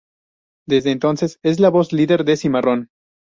Desde entonces, es la voz líder de Cimarrón.